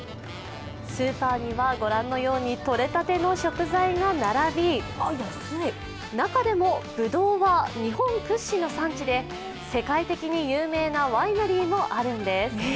スーパーには、ご覧のようにとれたての食材が並び中でもぶどうは日本屈指の産地で世界的に有名なワイナリーもあるんです。